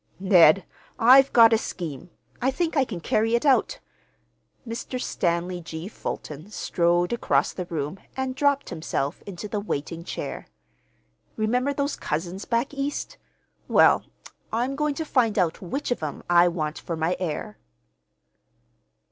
"Ned, I've got a scheme. I think I can carry it out." Mr. Stanley G. Fulton strode across the room and dropped himself into the waiting chair. "Remember those cousins back East? Well, I'm going to find out which of 'em I want for my heir."